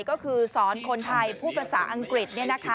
ก็คือสอนคนไทยพูดภาษาอังกฤษ